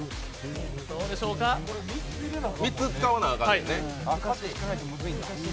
３つ使わな、あかんねんね。